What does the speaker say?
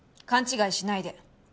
勘違いしないで。